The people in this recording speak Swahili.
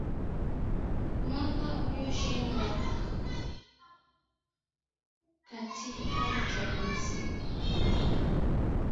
ya Mwaka alishindwa katika uchaguzi mkuu na mgombea